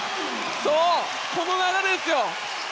この流れですよ！